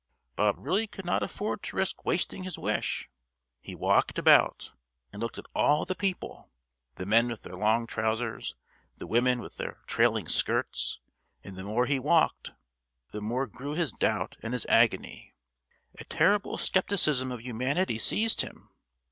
Bob really could not afford to risk wasting his wish. He walked about and looked at all the people the men with their long trousers, the women with their trailing skirts; and the more he walked, the more grew his doubt and his agony. A terrible scepticism of humanity seized him.